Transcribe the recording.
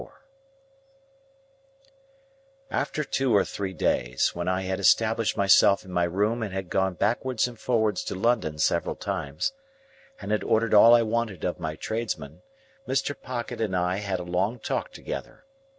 After two or three days, when I had established myself in my room and had gone backwards and forwards to London several times, and had ordered all I wanted of my tradesmen, Mr. Pocket and I had a long talk together.